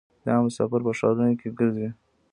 دا مسافر په ښارونو کې ګرځي.